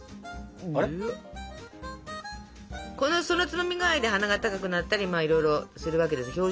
そのつまみ具合で鼻が高くなったりいろいろするわけです。